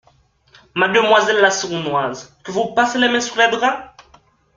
Mademoiselle la sournoise, que vous passez les mains sous les draps?